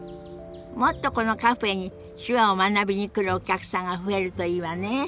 もっとこのカフェに手話を学びに来るお客さんが増えるといいわね。